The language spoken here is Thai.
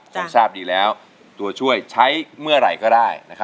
คงทราบดีแล้วตัวช่วยใช้เมื่อไหร่ก็ได้